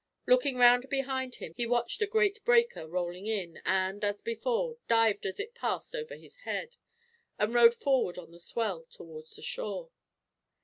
Looking round behind him, he watched a great breaker rolling in and, as before, dived as it passed over his head, and rode forward on the swell towards the shore.